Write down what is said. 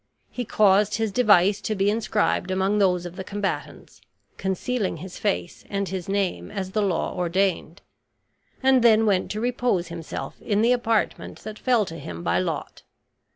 He caused his device to be inscribed among those of the combatants, concealing his face and his name, as the law ordained; and then went to repose himself in the apartment that fell to him by lot.